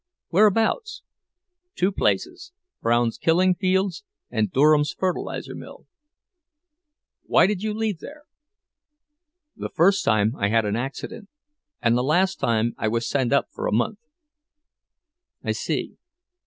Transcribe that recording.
"Whereabouts?" "Two places—Brown's killing beds and Durham's fertilizer mill." "Why did you leave there?" "The first time I had an accident, and the last time I was sent up for a month." "I see.